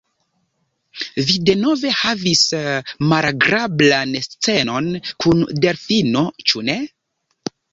Vi denove havis malagrablan scenon kun Delfino; ĉu ne?